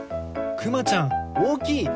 くまちゃんおおきい！